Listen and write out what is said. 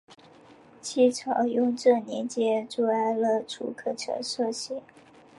清朝雍正年间筑阿勒楚喀城设县。